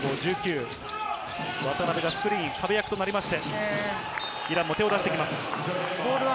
渡邉がスクリーン、壁役となりまして、イランも手を出してきます。